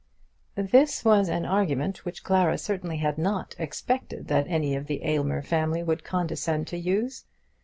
This was an argument which Clara certainly had not expected that any of the Aylmer family would condescend to use.